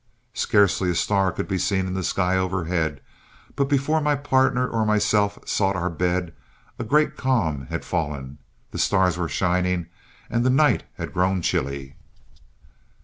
Scarcely a star could be seen in the sky overhead, but before my partner or myself sought our bed, a great calm had fallen, the stars were shining, and the night had grown chilly.